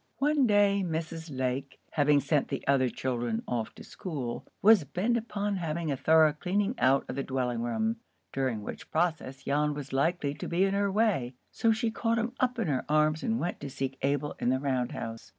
One day Mrs. Lake, having sent the other children off to school, was bent upon having a thorough cleaning out of the dwelling room, during which process Jan was likely to be in her way; so she caught him up in her arms and went to seek Abel in the round house.